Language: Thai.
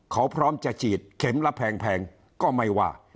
เขาพร้อมจะฉีดเข็มละแพงก็ไม่ว่า